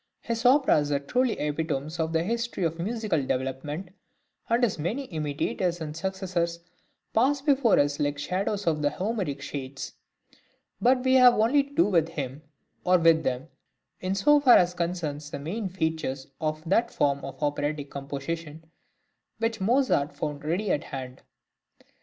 His operas are truly epitomes of the history of musical development, and his many imitators and successors pass before us like the shadows of the Homeric shades; but we have only to do with him or with them in so far as concerns the main features of that form of operatic composition which Mozart found ready to hand.